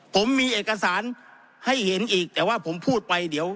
ผมมีเอกสารให้เห็นอีกแต่ว่าผมพูดไปเดี๋ยว